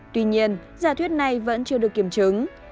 tuy nhiên giả thuyết này vẫn chưa được kiểm chứng